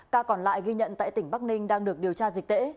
ca còn lại ghi nhận tại tỉnh bắc ninh đang được điều tra dịch tễ